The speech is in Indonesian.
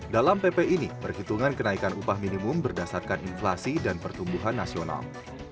dalam pp ini perhitungan kenaikan upah minimum berdasarkan inflasi dan pertumbuhan nasional